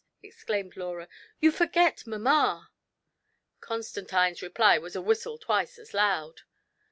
exclaimed Laura; "you forget mamma !" Constantine's. reply was a whistle twice as loud.